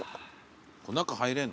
中入れんの？